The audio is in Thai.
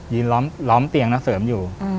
ล้อมเตียงนักเสริมอยู่